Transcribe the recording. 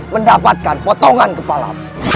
mendapatkan potongan kepala